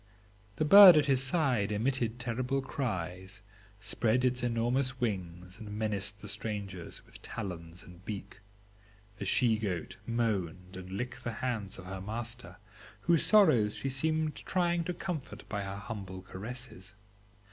The bird at his side emitted terrible cries, spread its enormous wings, and menaced the strangers with talons and beak. The she goat moaned and licked the hands of her master, whose sorrows she seemed trying to comfort by her humble caresses.